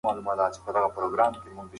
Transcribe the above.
ملتونه یوازې په یووالي سره وده کوي.